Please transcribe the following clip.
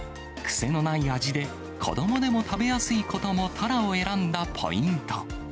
癖のない味で、子どもでも食べやすいこともタラを選んだポイント。